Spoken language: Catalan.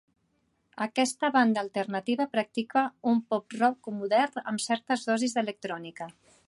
Aquesta banda alternativa practica un pop-rock modern amb certes dosis d'electrònica.